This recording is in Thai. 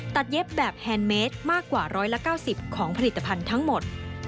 เย็บแบบแฮนดเมสมากกว่า๑๙๐ของผลิตภัณฑ์ทั้งหมด